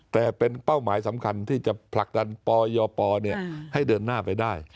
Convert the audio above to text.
แต่เป็นเป้าหมายสำคัญที่จะผลักดันปยปให้เดินหน้าไปได้